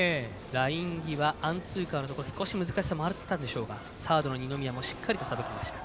ライン際アンツーカーのところ少し難しさもあったでしょうがサードの二宮もしっかりさばきました。